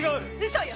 嘘よ！